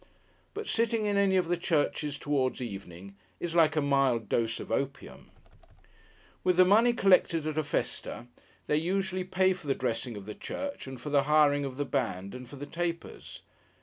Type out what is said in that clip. But, sitting in any of the churches towards evening, is like a mild dose of opium. [Picture: Italian Romance] With the money collected at a festa, they usually pay for the dressing of the church, and for the hiring of the band, and for the tapers.